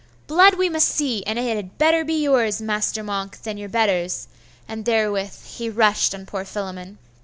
'Blood we must see, and it had better be yours, master monk, than your betters',' and therewith he rushed on poor Philammon.